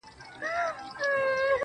ستا څخه ډېر تـنگ.